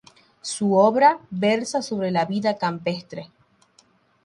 Su obra versa sobre la vida campestre.